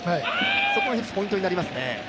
そこが１つポイントになりますね。